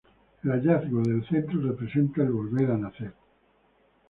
El hallazgo del centro representa el volver a nacer.